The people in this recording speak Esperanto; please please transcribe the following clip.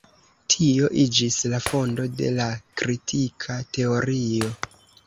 Tio iĝis la fondo de la kritika teorio.